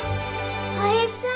おいしそう！